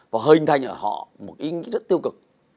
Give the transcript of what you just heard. và hình thành ở họ một ý nghĩa rất tiêu cực